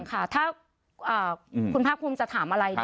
ทุกอย่างค่ะถ้าคุณพาพูมจะถามอะไร